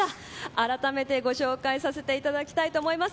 あらためてご紹介させていただきたいと思います。